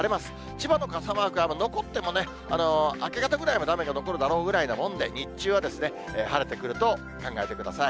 千葉の傘マークは、残っても明け方ぐらいまで雨が残るだろうぐらいなもんで、日中は晴れてくると考えてください。